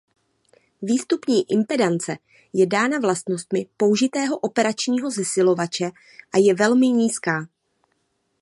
Výstupní impedance je daná vlastnostmi použitého operačního zesilovače a je velmi nízká.